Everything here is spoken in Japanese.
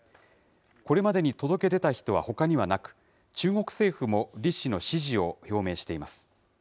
これまでに届け出た人はほかにはなく、中国政府も李氏の支持を表明しています。